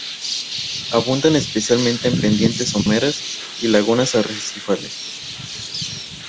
Abundan especialmente en pendientes someras y lagunas arrecifales.